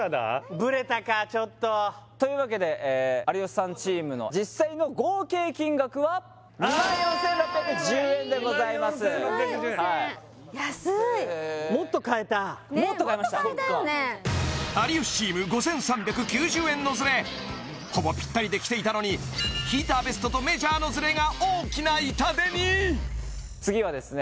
ブレたかちょっとというわけでああヤバい２万４６１０円でございます２万４６１０円安いもっと買えました有吉チーム５３９０円のズレほぼぴったりできていたのにヒーターベストとメジャーのズレが大きな痛手に次はですね